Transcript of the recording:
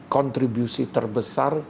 jadi kontribusi terbesar